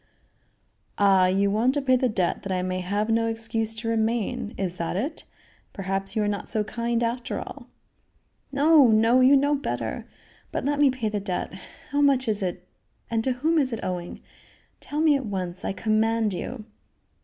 "Ah! you want to pay the debt that I may have no excuse to remain? Is that it? Perhaps you are not so kind after all." "No! no! you know better. But let me pay the debt. How much is it and to whom is it owing? Tell me at once, I command you."